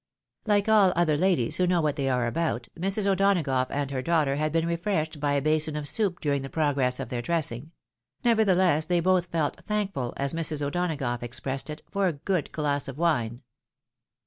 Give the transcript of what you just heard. . Like aU other ladies who know what they are about, Mrs. O'Donagough and her daughter had been refreshed by a basin of soup during the progress of their dressing ; nevertheless they both felt " thankful," as Mrs. O'Donagough expressed it, " for a good glass of wine."